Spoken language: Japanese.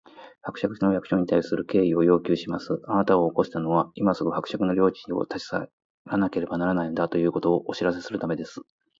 「伯爵の役所に対する敬意を要求します！あなたを起こしたのは、今すぐ伯爵の領地を立ち退かなければならないのだ、ということをお知らせするためです」